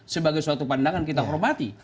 sebagai suatu pandangan kita hormati